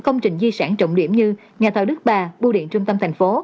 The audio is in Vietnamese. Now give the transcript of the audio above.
công trình di sản trọng điểm như nhà tòa đức ba bưu điện trung tâm thành phố